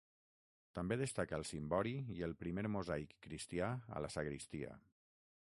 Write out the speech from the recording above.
També destaca el cimbori i el primer mosaic cristià a la sagristia.